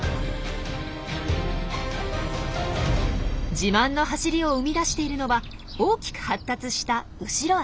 自慢の走りを生み出しているのは大きく発達した後ろ足。